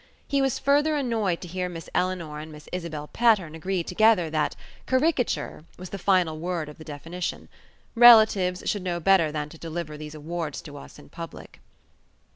He was further annoyed to hear Miss Eleanor and Miss Isabel Patterne agree together that "caricature" was the final word of the definition. Relatives should know better than to deliver these awards to us in public.